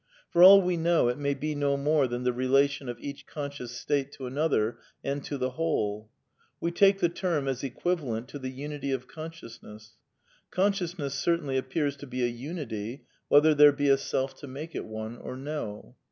For all we know, it may be no more than the relatipn of each con scious state to another and to the whole. We take the term as equivalent to " the unity of consciousness." Con sciousness certainly appears to be a unity, whether there be a self to make it one or no.